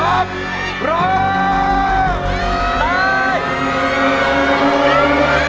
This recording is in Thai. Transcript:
รอบรอบรอบ